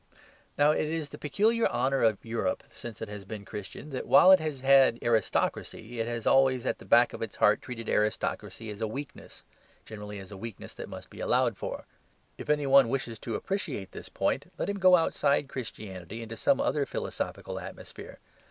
Now, it is the peculiar honour of Europe since it has been Christian that while it has had aristocracy it has always at the back of its heart treated aristocracy as a weakness generally as a weakness that must be allowed for. If any one wishes to appreciate this point, let him go outside Christianity into some other philosophical atmosphere.